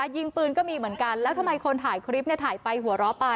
ยิงปืนก็มีเหมือนกันแล้วทำไมคนถ่ายคลิปเนี่ยถ่ายไปหัวเราะไป